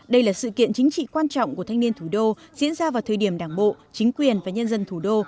đây là sự kiện chính trị quan trọng của thanh niên thủ đô diễn ra vào thời điểm đảng bộ chính quyền và nhân dân thủ đô